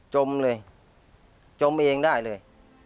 จมเลยจมเองได้เลย